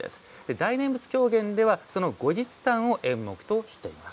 大念仏狂言ではその後日譚を演目としています。